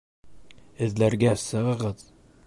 Эҙләргә сығығыҙ!